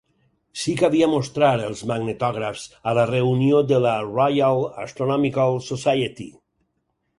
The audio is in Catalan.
Sí que havia mostrar els magnetògrafs a la reunió de la Royal Astronomical Society.